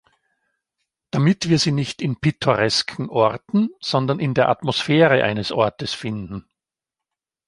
Damit wir sie nicht in pittoresken Orten, sondern in der Atmosphäre eines Ortes finden.